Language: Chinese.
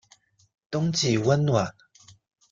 冬季温暖。